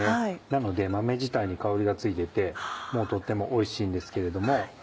なので豆自体に香りがついててもうとってもおいしいんですけれども。